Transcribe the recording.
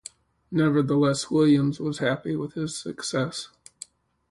Nevertheless, Williams was happy with his success.